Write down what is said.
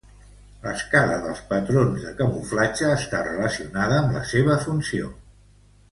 L'escala dels patrons de camuflatge està relacionada amb la seua funció.